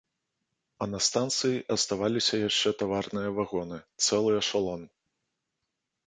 А на станцыі аставаліся яшчэ таварныя вагоны, цэлы эшалон.